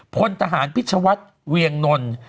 พลทหารพิชวัฒน์เวียงนล